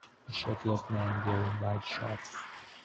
A shirtless man wearing white shorts.